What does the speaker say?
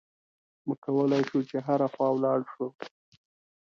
موږ کولای شو چې هره خوا ولاړ شو.